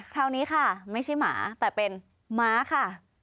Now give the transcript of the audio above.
คราวนี้ค่ะไม่ใช่หมาแต่เป็นม้าค่ะ